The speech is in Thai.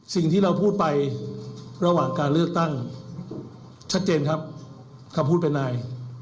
สิ่งที่เราพูดไประหว่างการเลือกตั้งชัดเจนครับคำพูดเป็นนาย